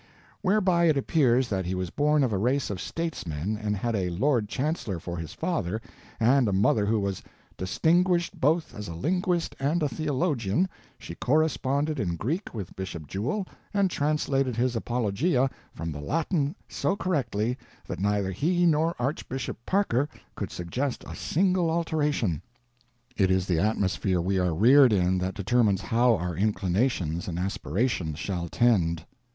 Whereby it appears that he was born of a race of statesmen, and had a Lord Chancellor for his father, and a mother who was "distinguished both as a linguist and a theologian: she corresponded in Greek with Bishop Jewell, and translated his Apologia from the Latin so correctly that neither he nor Archbishop Parker could suggest a single alteration." It is the atmosphere we are reared in that determines how our inclinations and aspirations shall tend.